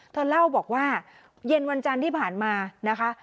เธอเล่าบอกว่าเย็นวันจันทร์ที่ผ่านมานะคะ